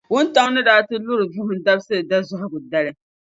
Wuntaŋ’ ni daa ti lura Vuhim Dabisili dazɔhigu dali.